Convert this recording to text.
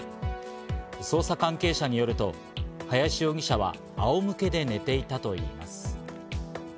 捜査関係者によると林容疑者はあおむけで寝ていたといいます。